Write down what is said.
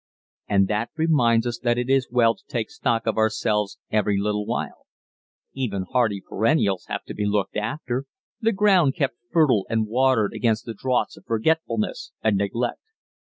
And that reminds us that it is well to take stock of ourselves every little while. Even "hardy perennials" have to be looked after the ground kept fertile and watered against the draughts of forgetfulness and neglect.